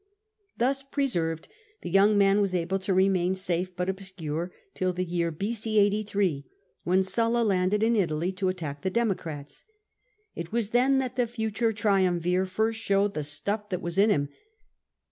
Thus preserved, the young man was able to remain safe but obscure till the year b.c. 83, when Sulla landed in Italy to attack the Democrats. It was then that the future triumvir first showed the stuff that was in him.